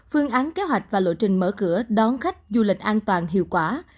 phương án kế hoạch và lộ trình mở cửa đón khách du lịch an toàn hiệu quả